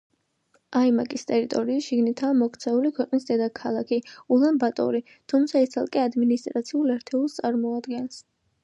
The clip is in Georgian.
აიმაკის ტერიტორიის შიგნითაა მოქცეული ქვეყნის დედაქალაქი ულან-ბატორი, თუმცა ის ცალკე ადმინისტრაციულ ერთეულს წარმოადგენს.